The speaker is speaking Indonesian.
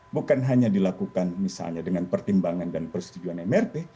bukan hanya dilakukan misalnya dengan pertimbangan dan persetujuan mrt